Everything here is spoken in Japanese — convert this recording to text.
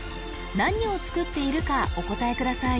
何を作っているかお答えください